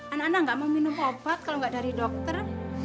anak anak nggak mau minum obat kalau nggak dari dokter